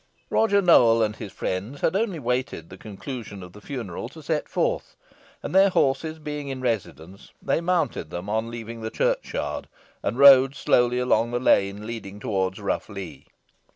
Roger Nowell and his friends had only waited the conclusion of the funeral to set forth, and their horses being in readiness, they mounted them on leaving the churchyard, and rode slowly along the lane leading towards Rough Lee.